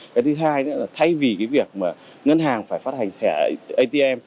cái thứ hai nữa là thay vì cái việc mà ngân hàng phải phát hành thẻ atm